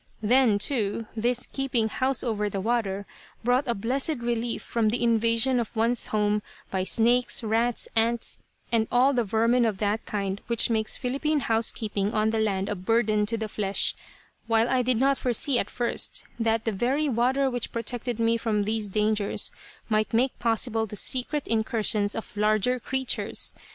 Then, too, this keeping house over the water brought a blessed relief from the invasion of one's home by snakes, rats, ants and all the vermin of that kind which makes Philippine housekeeping on the land a burden to the flesh, while I did not foresee at first that the very water which protected me from these dangers might make possible the secret incursions of larger creatures.